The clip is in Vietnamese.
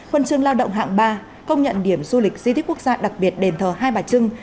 huân chương lao động hạng ba công nhận điểm du lịch di tích quốc gia đặc biệt đền thờ hai bà trưng